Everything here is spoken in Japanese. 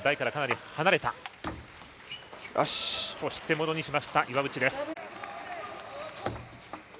ものにしました岩渕です。